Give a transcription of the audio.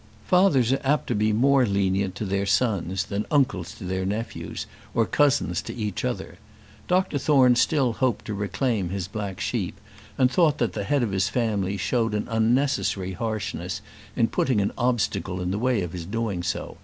Fathers are apt to be more lenient to their sons than uncles to their nephews, or cousins to each other. Dr Thorne still hoped to reclaim his black sheep, and thought that the head of his family showed an unnecessary harshness in putting an obstacle in his way of doing so.